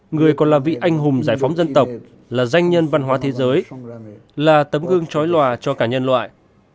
người còn là vị anh hùng giải phóng dân tộc là danh nhân văn hóa thế giới là tấm gương trói lòa cho cả nhân loại